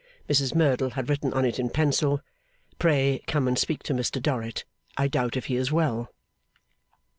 Mrs Merdle had written on it in pencil, 'Pray come and speak to Mr Dorrit, I doubt if he is well.